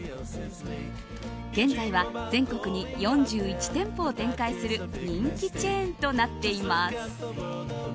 現在は全国に４１店舗を展開する人気チェーンとなっています。